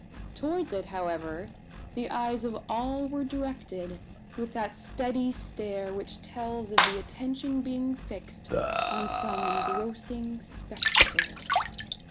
Towards it, however, the eyes of all were directed, with that steady stare which tells of the attention being fixed on some engrossing spectacle.